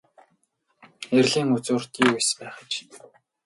Эрлийн үзүүрт юу эс байх аж.